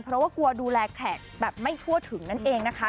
เพราะว่ากลัวดูแลแขกแบบไม่ทั่วถึงนั่นเองนะคะ